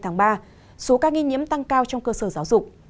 tổng số ca nghi nhiễm tăng cao trong cơ sở giáo dục